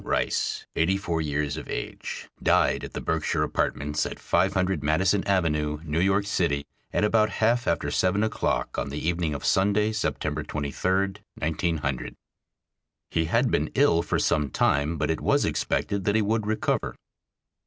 Rice, eighty four years of age, died at the Berkshire Apartments at 500 Madison Avenue, New York City, at about half after seven o'clock on the evening of Sunday, September 23, 1900. He had been ill for some time, but it was expected that he would recover.